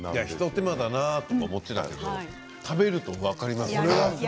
ひと手間がなと思ってたけど食べると分かりますね。